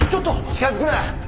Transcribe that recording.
近づくな！